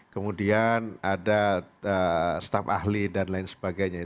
kemudian ada staf ahli dan lain sebagainya